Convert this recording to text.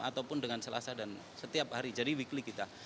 ataupun dengan selasa dan setiap hari jadi weekly kita